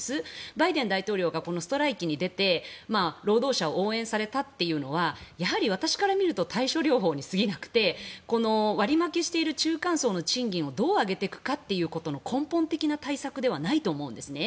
バイデン大統領がこのストライキに出て労働者を応援されたというのはやはり私から見ると対症療法に過ぎなくてこの割り負けしている中間層の賃金をどう上げていくかということの根本的な対策ではないと思うんですね。